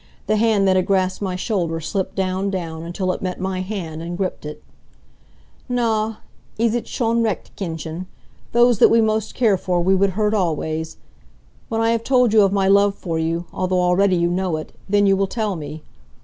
The hand that had grasped my shoulder slipped down, down, until it met my hand and gripped it. "Na, 's ist schon recht, Kindchen. Those that we most care for we would hurt always. When I have told you of my love for you, although already you know it, then you will tell me.